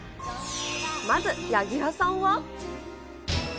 まず柳楽さんは。